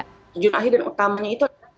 tujuan akhir dan utamanya itu adalah